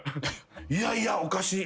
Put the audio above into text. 「いやいやおかしい。